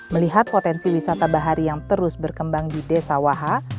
melihat potensi wisata bahari yang terus berkembang di desa wahha